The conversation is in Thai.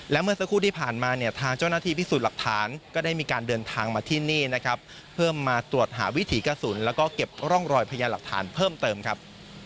และเมื่อสักครู่ที่ผ่านมาเนี่ยทางเจ้าหน้าที่พิสูจน์หลักฐานก็ได้มีการเดินทางมาที่นี่นะครับเพื่อมาตรวจหาวิถีกระสุนแล้วก็เก็บร่องรอยพยาหลักฐานเพิ่มเติมครับ